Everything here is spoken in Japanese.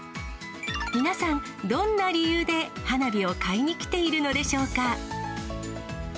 皆さん、どんな理由で花火を買いに来ているのでしょうか。